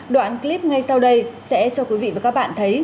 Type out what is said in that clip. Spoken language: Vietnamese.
đoạn clip ngay sau đây sẽ cho quý vị và các bạn thấy